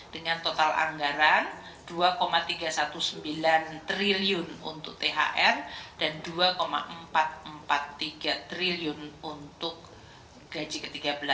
dengan total anggaran rp dua tiga ratus sembilan belas triliun untuk thr dan rp dua empat ratus empat puluh tiga triliun untuk gaji ke tiga belas